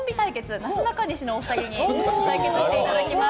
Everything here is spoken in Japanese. なすなかにしのお二人に対決していただきます。